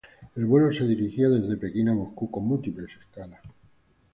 El vuelo se dirigía desde Pekín a Moscú con múltiples escalas.